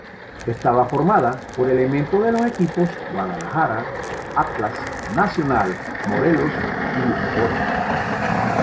Estaba formada por elementos de los equipos "Guadalajara", "Atlas", "Nacional", "Morelos", y "Oro".